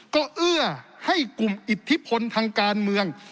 ก็เอื้อให้กลุ่มอิทธิพลทางการเมือง